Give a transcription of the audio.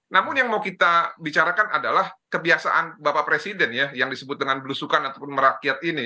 namun yang mau kita bicarakan adalah kebiasaan bapak presiden ya yang disebut dengan belusukan ataupun merakyat ini